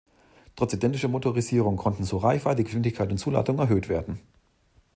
Trotz identischer Motorisierung konnten so Reichweite, Geschwindigkeit und Zuladung erhöht werden.